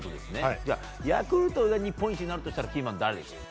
じゃあヤクルトが日本一になるとしたらキーマン、誰ですか？